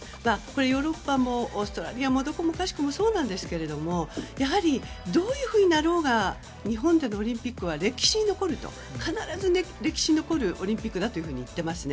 ヨーロッパもオーストラリアもどこもかしこもそうなんですけれどもどういうふうになろうが日本でのオリンピックは必ず歴史に残るオリンピックだというふうにいっていますね。